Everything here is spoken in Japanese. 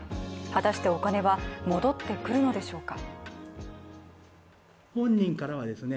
果たしてお金は戻ってくるのでしょうか？